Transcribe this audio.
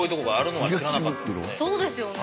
そうですよね。